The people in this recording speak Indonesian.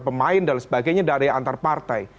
pemain dan sebagainya dari antar partai